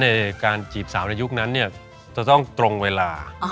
ในการจีบสาวในยุคนั้นจะต้องตรงเวลา